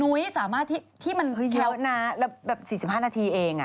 นุ้ยสามารถที่มันเยอะนะแล้วแบบ๔๕นาทีเอง